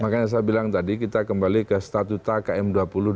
makanya saya bilang tadi kita kembali ke statuta km dua puluh dua